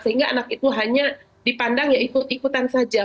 sehingga anak itu hanya dipandang ikutan saja